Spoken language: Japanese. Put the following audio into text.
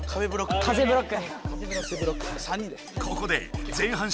出た風ブロック！